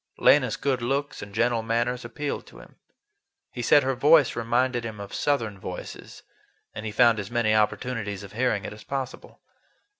Lena's good looks and gentle manners appealed to him. He said her voice reminded him of Southern voices, and he found as many opportunities of hearing it as possible.